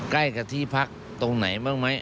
ใกล้กับที่พักตรงไหนบ้างไหม